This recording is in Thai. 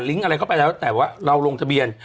ลิ้งก์อะไรก็ไปแล้วแต่ว่าเราโรงทะเบียน